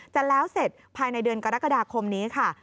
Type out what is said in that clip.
จะแล้วเสร็จภายในเดือนกรกฎาคมนี้ค่ะ